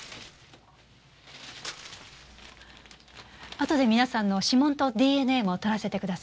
あとで皆さんの指紋とＤＮＡも採らせてください。